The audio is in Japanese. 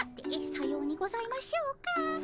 さようにございましょうか。